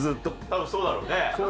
多分そうだろうね。